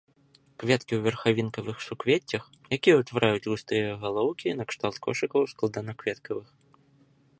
Кветкі ў верхавінкавых суквеццях, якія ўтвараюць густыя галоўкі накшталт кошыкаў складанакветных.